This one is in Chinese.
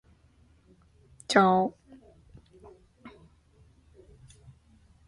弱智？